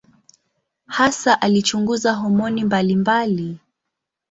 Hasa alichunguza homoni mbalimbali.